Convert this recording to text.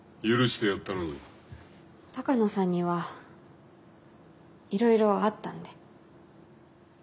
鷹野さんにはいろいろあったんで。